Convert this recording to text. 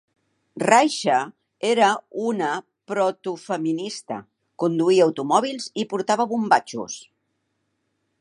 Raiche era una protofeminista: conduïa automòbil i portava bombatxos.